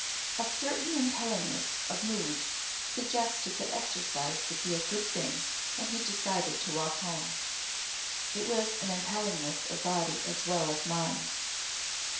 A certain impellingness of mood suggested that exercise would be a good thing and he decided to walk home. It was an impellingness of body as well as mind.